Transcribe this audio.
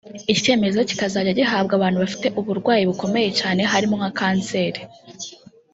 Iki cyemezo kikazajya gihabwa abantu bafite uburwayi bukomeye cyane harimo nka Canceri